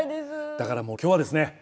だからもう今日はですね